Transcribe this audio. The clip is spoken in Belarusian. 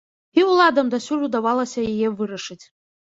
І ўладам дасюль удавалася яе вырашыць.